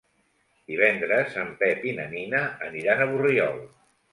Divendres en Pep i na Nina aniran a Borriol.